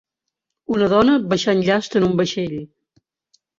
Una dona baixant llast en un vaixell.